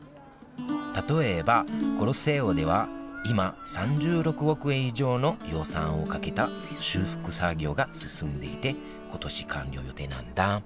例えばコロッセオでは今３６億円以上の予算をかけた修復作業が進んでいて今年完了予定なんだ